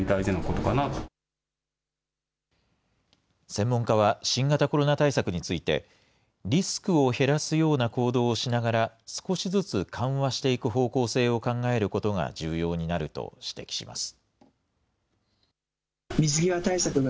専門家は、新型コロナ対策について、リスクを減らすような行動をしながら、少しずつ緩和していく方向性を考えることが重要になると指摘します。